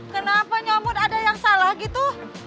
kenapa nyamut ada yang salah gitu